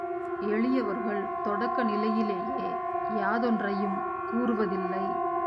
எளியவர்கள் தொடக்க நிலையிலேயே யாதொன்றையும் கூறுவதில்லை.